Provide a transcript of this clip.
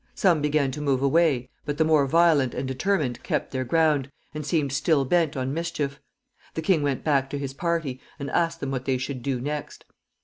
Some began to move away, but the more violent and determined kept their ground, and seemed still bent on mischief. The king went back to his party, and asked them what they should do next.